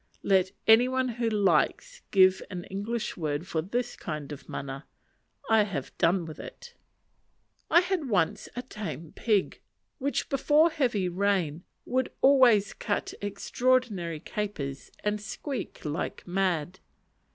Let any one who likes give an English word for this kind of mana. I have done with it. I had once a tame pig, which, before heavy rain, would always cut extraordinary capers and squeak like mad.